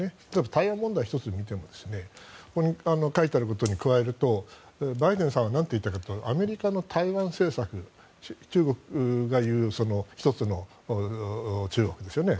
台湾問題１つ見てもここに書いてあることに加えるとバイデンさんはなんて言ったかというとアメリカの台湾政策中国が言う一つの中国ですよね。